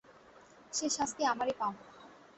সে শাস্তি আমারই পাওনা।